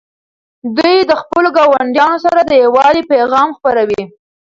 دوی د خپلو ګاونډیانو سره د یووالي پیغام خپروي.